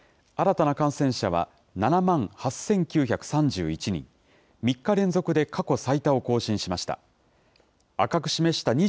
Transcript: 新たな感染者は７万８９３１人、３日連続で過去最多を更新しました。